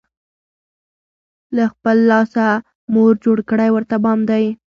له خپل لاسه، مور جوړ کړی ورته بام دی